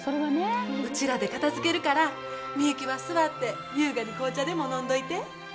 うちらで片づけるからミユキは座って優雅に紅茶でも飲んどいて。